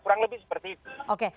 kurang lebih seperti itu